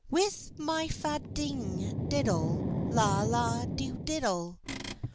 With my fa ding diddle, la la dew diddle.